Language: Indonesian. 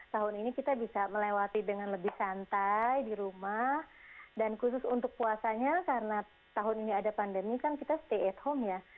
tahun ini kita bisa melewati dengan lebih santai di rumah dan khusus untuk puasanya karena tahun ini ada pandemi kan kita stay at home ya